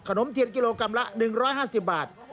นมเทียนกิโลกรัมละ๑๕๐บาท